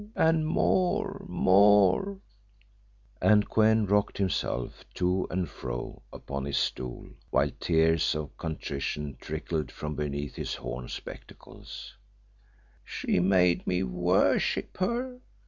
and more, more," and Kou en rocked himself to and fro upon his stool while tears of contrition trickled from beneath his horn spectacles, "_she made me worship her!